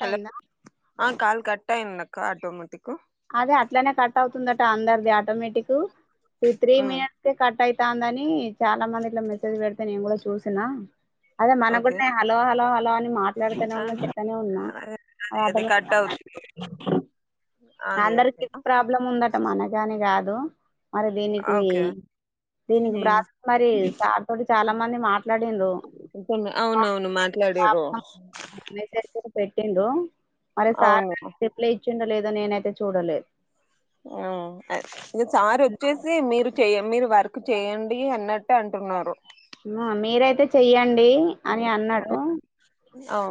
Hello అయిందా ఆ call cut time నక్క ఆటోమేటిక్కు అదే అట్లనే కట్ అవుతుందట అందరిది automatic two three um minutes కు కట్అ టాండని చాలా మంది ఇట్లా మెసేజ్ పెడితే నేను కూడా చూసిన అదే మన ఓకే కూడా హలో హలో హలో అని మాట్లాడతానే ఆ ఉన్నా చెప్తానే ఉన్నా అదే అది కట్ ఆటోమటిక్ అవుతుంది అది ఓకే అందరికి ప్రాబ్లం ఉందట మనగ్గాని రాదు మరి దీనికి ఓకే దీనికి ఉమ్ [unintelligible] మరి సార్ తోటి చాలా మంది మాట్లాడింన్రు ఇంకొన్ని ఆ అవునవును మాట్లాడిరు మెసేజ్ పెట్టి ఎందో మరి సార్ అవును రిప్లే ఇచ్చిండో లేదో నేన్ ఐతే చూడలే ఆ అ ఇ సారి వచ్చేసి మీరు చెయ్యమ్ మీరు నక్ బ చేయండి అన్నట్ అంటున్నారు ఆ మీరైతే చెయ్యండి అని అన్నట్టు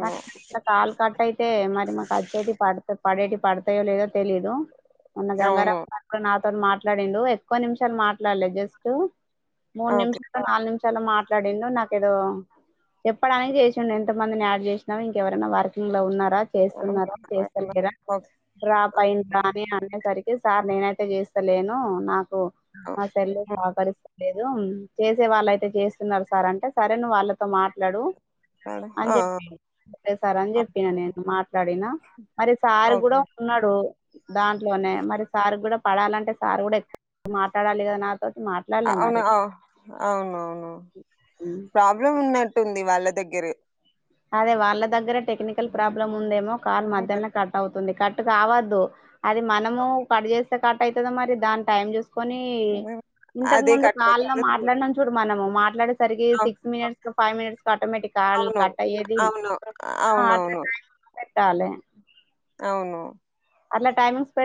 కా ఇలా కాలు కట్అయితే మరి మాకు అచ్చోటి పడ్త పడేటి పడతాయో లేదో తెలీదు మొన్న అవును గంగారావ్ [unintelligible] నా మాట్లాడిండు ఎక్కువ నిమిషాలు మాట్లాడ్లే జస్టు మూడు ఓకే నిమిషాలు నాలుగు నిమిషాలు మాట్లాడిండు నాకు ఏదో చెప్పడానికి చేసిండు ఇంత మందిని యాడ్ జేసినా ఇంకెవరైన వర్కింగ్ లో ఉన్నార ఓకే చేస్తున్నారు చేస్తలేరా డ్రాప్ అయిన్రా అని అనేసరికి అయితే సార్ నేనయితే జేస్తలేను నాక్ నా సెల్ సహకరిస్తలేద్ చేసే వాళ్ళు అయితే చేస్తున్నారు సార్ అంటే సరే నువ్వు వాళ్ళతో మాట్లాడు అని ఆ చెప్పి సరే సార్ అని ఆ జెప్పిన నేను మాట్లాడినా మరి సార్ గూడా ఓకే ఉన్నాడు దాంట్లోనే మరి సారు గూడా పడాలంటే సార్ కూడా ఎక్కువ మాట్లాడాలి గా నాతో అవున అవునవును ప్రాబ్లమ్ ఉన్నట్ ఉంది వాళ్ళ దగ్గరే అదే వాళ్ళ దగ్గరె టెక్నికల్ ప్రాబ్లం ఉందేమో కాల్ మధ్యల్నే అవునండి. కట్ అవుతుంది కట్ కావాద్దు అది మనము పడు చేేసి కట్ అయితది మరి దాని టైం చూస్ కొని ఇంతకు అదే ముందు కట్ కాల్ లో అవుతుందో తెలీదు మాట్లాడినం చూడు మనము మాట్లాడేసరికి అవ్ సిక్స్ మినిట్స్ కి ఫైవ్ మినిట్స్ కి ఆటోమేటిక్ కాల్ అవును కట్ అయ్యేది అవును అవునవును ట్టాలె అవును అట్ల టైమింగ్స్ పెడి